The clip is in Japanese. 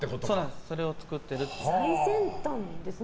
それを作ってるという。